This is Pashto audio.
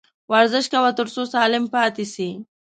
ورزش کوه ، تر څو سالم پاته سې